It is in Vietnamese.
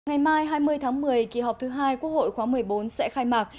ngày mai hai mươi tháng một mươi kỳ họp thứ hai quốc hội khóa một mươi bốn sẽ khai mạc